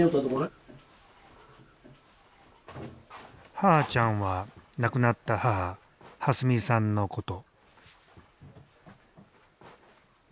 「はーちゃん」は亡くなった母「はすみ」さんのこと。